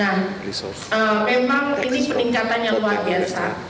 nah memang ini peningkatan yang luar biasa